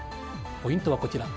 ポイントはこちら。